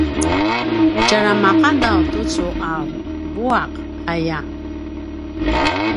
tjara maqadav tucu a vuaq aya